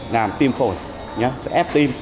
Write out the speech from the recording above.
làm tim khổi sẽ ép tim